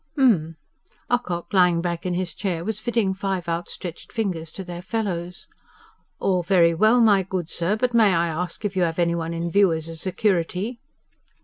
"H'm." Ocock, lying back in his chair, was fitting five outstretched fingers to their fellows. "All very well, my good sir, but may I ask if you have anyone in view as a security?"